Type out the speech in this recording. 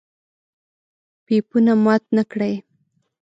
پيپونه مات نکړئ!